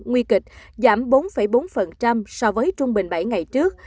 nguy kịch giảm bốn bốn so với trung bình bảy ngày trước